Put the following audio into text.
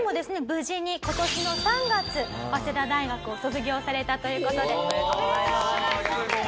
無事に今年の３月早稲田大学を卒業されたという事でおめでとうございます！